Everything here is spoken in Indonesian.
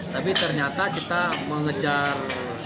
tapi ternyata kita mengejar